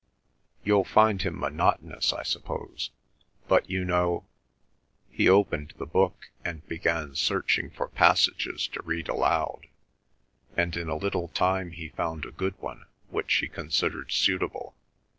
"You find him monotonous, I suppose. But you know—" He opened the book, and began searching for passages to read aloud, and in a little time he found a good one which he considered suitable.